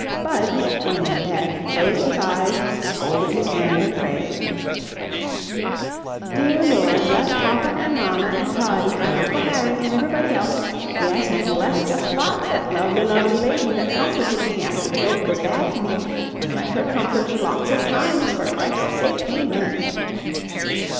Budge, when in bed, closed his eyes, folded his hand and prayed: "Dear Lord, bless papa an' mamma, an' Toddie, an' Uncle Harry, an' everybody else; yes, an' bless just lots that lovely, lovely lady that comforted me after the goat was bad to me, an' let her comfort me lots of times, for Christ's sake, Amen."